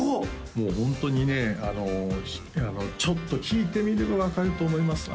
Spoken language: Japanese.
もうホントにねちょっと聴いてみれば分かると思います